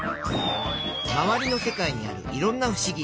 まわりの世界にあるいろんなふしぎ。